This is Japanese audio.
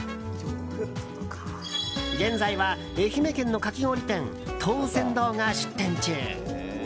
現在は、愛媛県のかき氷店登泉堂が出店中。